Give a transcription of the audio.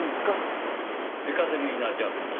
エカテリーナ・ジャスミン。